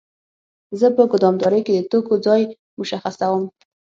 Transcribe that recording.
زه په ګدامدارۍ کې د توکو ځای مشخصوم.